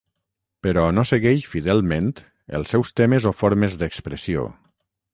Però no segueix fidelment els seus temes o formes d’expressió.